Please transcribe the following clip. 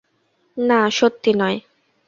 না, সত্যি নয়।